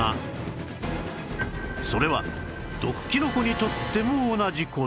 それは毒キノコにとっても同じ事